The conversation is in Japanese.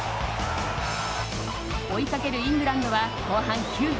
追いかけるイングランドは後半９分。